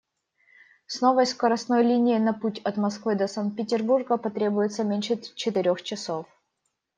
С новой скоростной линией на путь от Москвы до Санкт-Петербурга потребуется меньше четырёх часов.